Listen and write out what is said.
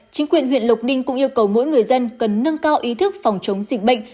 chính quyền huyện lộc ninh cũng yêu cầu mỗi người dân cần nâng cao ý thức phòng chống dịch bệnh